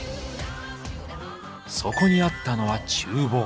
そこにあったのは厨房。